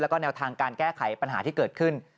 แล้วก็แนวทางการแก้ไขปัญหาที่เกิดขึ้น